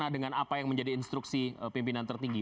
dengan apa yang menjadi instruksi pimpinan tertinggi